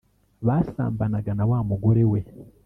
basambanaga nawa mugore we